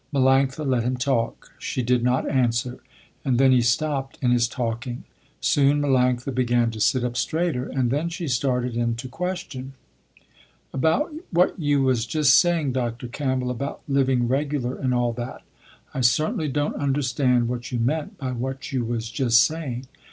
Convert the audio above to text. Melanctha let him talk. She did not answer, and then he stopped in his talking. Soon Melanctha began to sit up straighter and then she started in to question. "About what you was just saying Dr. Campbell about living regular and all that, I certainly don't understand what you meant by what you was just saying.